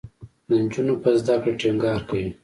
د نجونو په زده کړه ټینګار کوي.